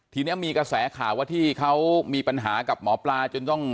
ทีนี้มีกระแสข่าวว่าที่เขามีปัญหากับหมอปลาจนต้อง